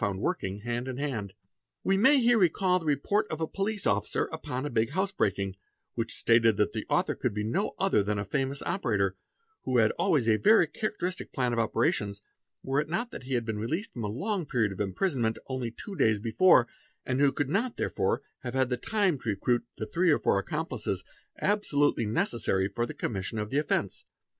found working hand in hand. | We may here recall the report of a police officer upon a big house breaking, which stated that the author could be no other than a famous operator, who had always a very characteristic plan of operations, were it not that he had been released from a long period of imprisonment only ~ two days before; and could not therefore have had the time to recruit the three or four accomplices absolutely necessary for the commission of the offence.